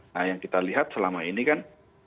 nah yang kita lihat selama ini kan